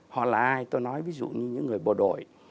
họ là ai tôi nói ví dụ như những người bộ đội